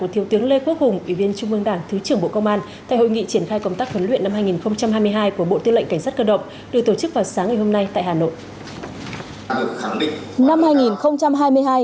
thứ trưởng lê quốc hùng ủy viên trung ương đảng thứ trưởng bộ công an tại hội nghị triển khai công tác huấn luyện năm hai nghìn hai mươi hai của bộ tư lệnh cảnh sát cơ động được tổ chức vào sáng ngày hôm nay tại hà nội